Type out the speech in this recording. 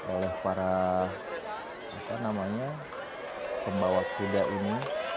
oleh para apa namanya pembawa kuda ini